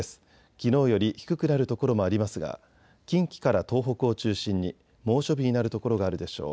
きのうより低くなる所もありますが近畿から東北を中心に猛暑日になる所があるでしょう。